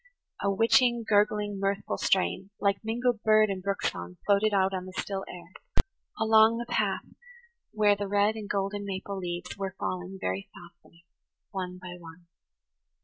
A witching, gurgling, mirthful strain, like mingled bird and brook song, floated out on the still air, along the path where the red and golden maple leaves were falling very softly, one by one.